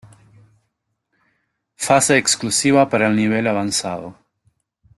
Fase exclusiva para el nivel avanzado.